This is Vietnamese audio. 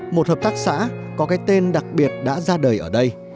một hợp tác xã có cái tên đặc biệt đã ra đời ở đây